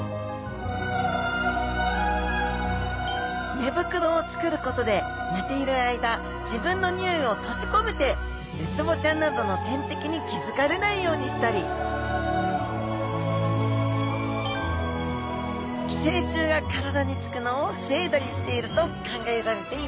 寝袋をつくることで寝ている間自分のにおいを閉じ込めてウツボちゃんなどの天敵に気付かれないようにしたり寄生虫が体につくのを防いだりしていると考えられています